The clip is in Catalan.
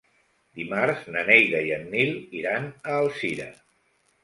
Dimarts na Neida i en Nil iran a Alzira.